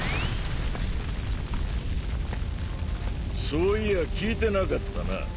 そういや聞いてなかったな。